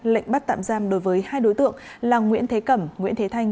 lệnh bắt tạm giam đối với hai đối tượng là nguyễn thế cẩm nguyễn thế thanh